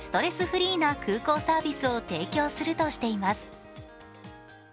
フリーな空港サービスを提供するとしています。